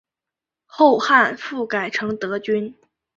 后汉复改成德军。